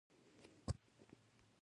ایا زه باید پوډر وخورم؟